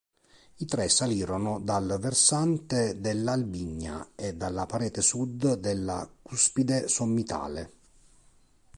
I tre salirono dal versante dell'Albigna e dalla parete sud della cuspide sommitale.